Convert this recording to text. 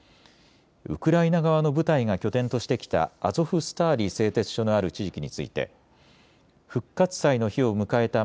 ウクライナ側の部隊が拠点としてきたアゾフスターリ製鉄所のある地域について復活祭の日を迎えた